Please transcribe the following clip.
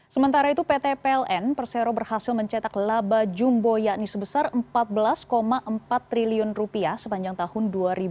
sementara itu pt pln persero berhasil mencetak laba jumbo yakni sebesar rp empat belas empat triliun rupiah sepanjang tahun dua ribu dua puluh